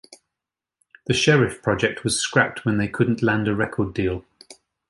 The Sheriff project was scrapped when they couldn't land a record deal.